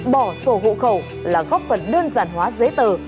bỏ sổ hộ khẩu là góp phần đơn giản hóa giấy tờ